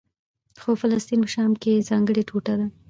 خو فلسطین په شام کې ځانګړې ټوټه ده.